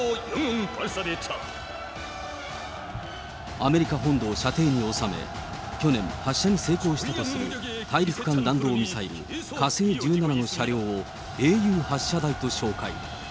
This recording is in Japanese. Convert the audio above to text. アメリカ本土を射程に収め、去年、発射に成功したとする大陸間弾道ミサイル火星１７の車両を英雄発射台と紹介。